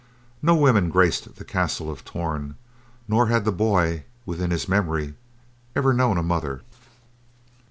No woman graced the castle of Torn nor had the boy, within his memory, ever known a mother.